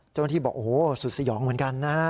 เจ้าหน้าที่บอกโอ้โหสุดสยองเหมือนกันนะฮะ